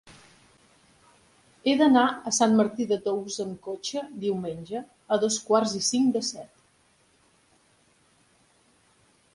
He d'anar a Sant Martí de Tous amb cotxe diumenge a dos quarts i cinc de set.